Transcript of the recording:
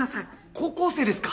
高校生ですか？